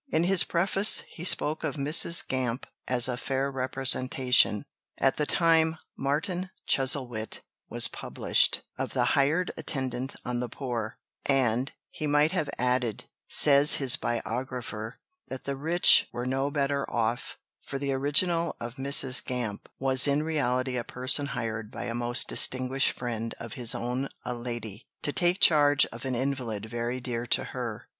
In his preface he spoke of Mrs. Gamp as a fair representation, at the time Martin Chuzzlewit was published, of the hired attendant on the poor; and he might have added, says his biographer, that the rich were no better off, for the original of Mrs. Gamp "was in reality a person hired by a most distinguished friend of his own a lady, to take charge of an invalid very dear to her."